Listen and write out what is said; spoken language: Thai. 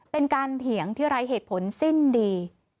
เถียงที่ไร้เหตุผลสิ้นดี